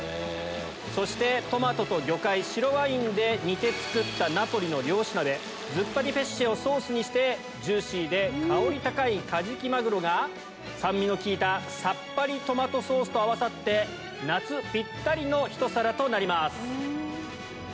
そしてトマトと魚介白ワインで煮て作ったナポリの漁師鍋ズッパディペッシェをソースにしてジューシーで香り高いカジキマグロが酸味の効いたさっぱりトマトソースと合わさって夏ぴったりのひと皿となります。